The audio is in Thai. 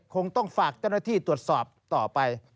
คงต้องฝากเจ้าหน้าที่ตรวจสอบต่อไป